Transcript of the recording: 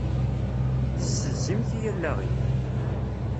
Tessezzimt-iyi allaɣ-iw!